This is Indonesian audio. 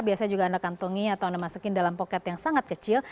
biasanya juga anda kantongi atau anda masukin dalam poket yang sangat kecil